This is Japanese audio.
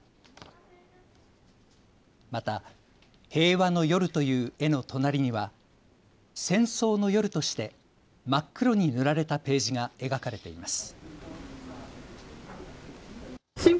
また、へいわのよるという絵の隣にはせんそうのよるとして真っ黒に塗られたページが描かれています。